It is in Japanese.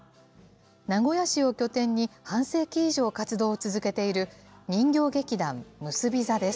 名古屋市を拠点に半世紀以上活動を続けている人形劇団むすび座です。